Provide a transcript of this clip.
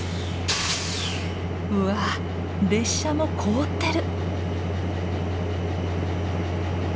うわ列車も凍ってる！